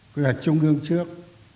quy hoạch trung ương trước